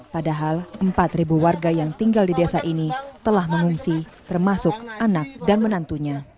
padahal empat warga yang tinggal di desa ini telah mengungsi termasuk anak dan menantunya